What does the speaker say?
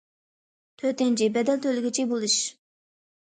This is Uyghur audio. تۆتىنچى، بەدەل تۆلىگۈچى بولۇش.